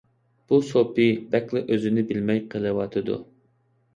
بۇ سوپى بەكلا ئۆزىنى بىلمەي قېلىۋاتىدۇ.